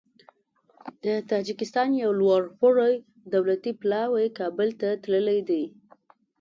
د تاجکستان یو لوړپوړی دولتي پلاوی کابل ته تللی دی.